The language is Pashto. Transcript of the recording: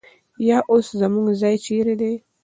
یا اوس زموږ ځای چېرې دی؟